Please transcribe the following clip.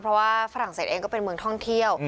เพราะว่าฝรั่งเศสเองก็เป็นเมืองท่องเที่ยว